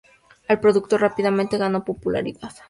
El producto rápidamente ganó popularidad.